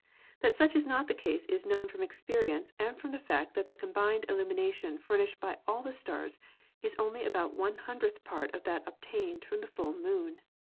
That such is not the case is known from experience and from the fact that the combined illumina ' tion furnished by all the stars is only about one hundredth part of that obtained from the full Moon.